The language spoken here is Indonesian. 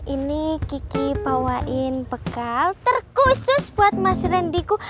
ini kiki bawain bekal terkhusus buat mas rendiku